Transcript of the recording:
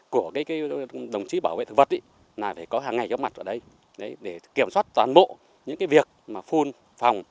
của đồng chí bảo vệ thực vật là phải có hàng ngày có mặt ở đây để kiểm soát toàn bộ những cái việc mà phun phòng